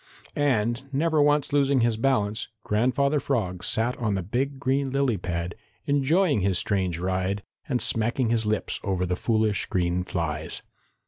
And, never once losing his balance, Grandfather Frog sat on the big green lily pad, enjoying his strange ride and smacking his lips over the foolish green flies.